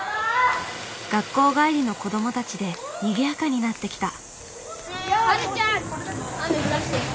学校帰りの子どもたちでにぎやかになってきた。